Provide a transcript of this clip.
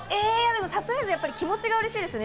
サプライズは気持ちが嬉しいですね。